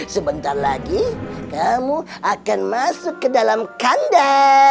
sebentar lagi kamu akan masuk ke dalam kanda